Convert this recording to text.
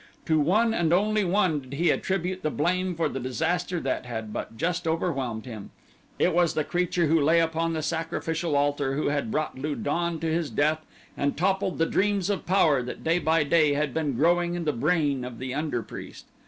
To one and only one did he attribute the blame for the disaster that had but just overwhelmed him. It was the creature who lay upon the sacrificial altar who had brought Lu don to his death and toppled the dreams of power that day by day had been growing in the brain of the under priest.